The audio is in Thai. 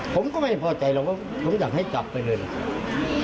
ผมก็ไม่ได้พอใจหรอกว่าผมอยากให้จับไปเลยนะครับ